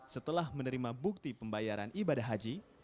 setelah menerima bukti pembayaran ibadah haji